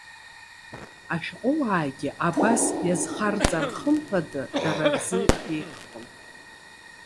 Ашәҟәыуаагьы абас иазхарҵар, хымԥада дара рзы иеиӷьхон.